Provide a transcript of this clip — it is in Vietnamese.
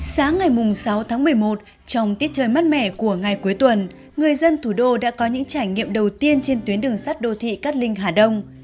sáng ngày sáu tháng một mươi một trong tiết trời mát mẻ của ngày cuối tuần người dân thủ đô đã có những trải nghiệm đầu tiên trên tuyến đường sắt đô thị cát linh hà đông